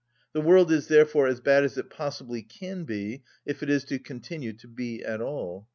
The world is therefore as bad as it possibly can be if it is to continue to be at all.